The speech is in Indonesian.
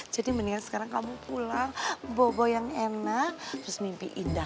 jadi mendingan sekarang kamu pulang bawa boy yang enak terus mimpi indah